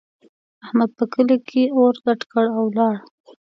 احمد په کلي کې اور ګډ کړ او ولاړ.